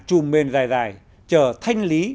trùm mền dài dài chờ thanh lý